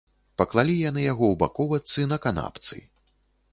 Паклалі яны яго ў баковачцы, на канапцы.